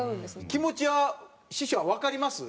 気持ちは師匠はわかります？